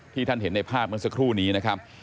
ท่านเห็นในภาพเมื่อสักครู่นี้นะครับ